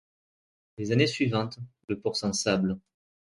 Les années suivantes, le port s'ensable.